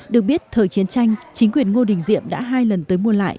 được biết thời chiến tranh chính quyền ngô đình diệm đã hai lần tới mua lại